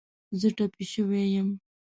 زه ټپې شوی یم